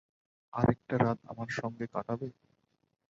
আরেকটা রাত আমার সঙ্গে কাটাবে?